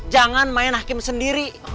jangan main hakim sendiri